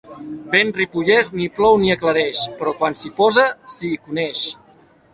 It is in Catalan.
Vent ripollès ni plou ni aclareix, però quan s'hi posa s'hi coneix.